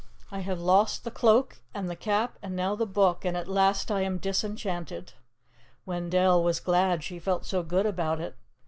"I have lost the Cloak and the Cap and now the Book, and at last I am disenchanted." Wendell was glad she felt so good about it.